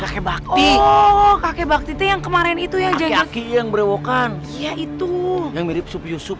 kakek bakti kakek bakti yang kemarin itu yang jatuh yang berewokan itu